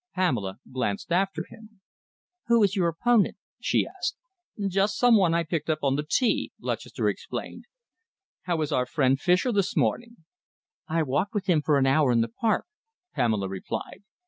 Pamela glanced after him. "Who is your opponent?" she asked. "Just some one I picked up on the tee," Lutchester explained. "How is our friend Fischer this morning?" "I walked with him for an hour in the Park," Pamela replied.